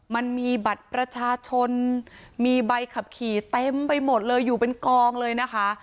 มันมีบัตรประชาชนมีใบขับขี่เต็มไปหมดเลยอยู่เป็นกองเลยนะคะ